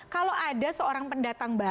kalau ada seorang pendatang baru